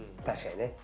確かにね。